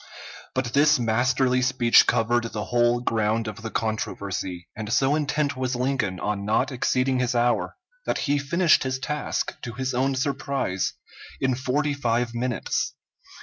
But this masterly speech covered the whole ground of the controversy, and so intent was Lincoln on not exceeding his hour that he finished his task, to his own surprise, in forty five minutes.